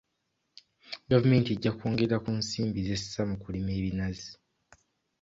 Gavumenti ejja kwongera ku nsimbi z'essa mu kulima ebinazi.